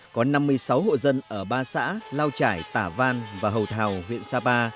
có năm mươi sáu hộ dân ở ba xã lao trải tả văn và hầu thào huyện sapa